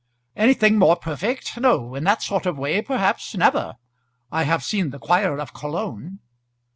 "Anything more perfect? no; in that sort of way, perhaps, never. I have seen the choir of Cologne."